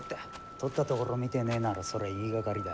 とったところを見てねえならそれは言いがかりだ。